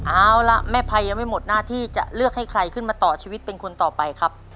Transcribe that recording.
เอาล่ะแม่ภัยยังไม่หมดหน้าที่จะเลือกให้ใครขึ้นมาต่อชีวิตเป็นคนต่อไปครับ